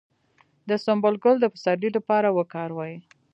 د سنبل ګل د پسرلي لپاره وکاروئ